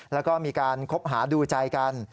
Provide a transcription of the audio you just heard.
แล้วก็มีการคบหาดูใจกัน